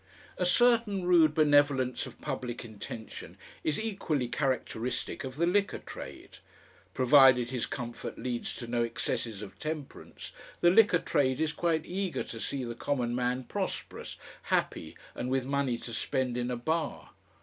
A certain rude benevolence of public intention is equally characteristic of the liquor trade. Provided his comfort leads to no excesses of temperance, the liquor trade is quite eager to see the common man prosperous, happy, and with money to spend in a bar.